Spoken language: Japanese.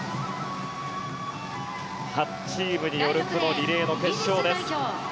８チームによるリレーの決勝です。